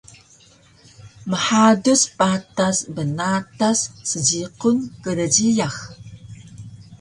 Mhaduc patas bnatas sjiqun kdjiyax